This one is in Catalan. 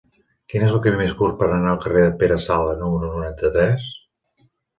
Quin és el camí més curt per anar al carrer de Pere Sala número noranta-tres?